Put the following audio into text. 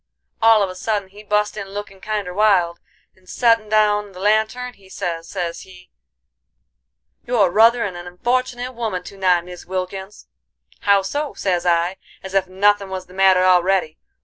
All of a sudden he bust in lookin' kinder wild, and settin' down the lantern, he sez, sez he: 'You're ruthern an unfortinate woman to night, Mis Wilkins.' 'How so?' sez I, as ef nuthin' was the matter already.